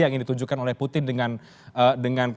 yang ingin ditunjukkan oleh putin dengan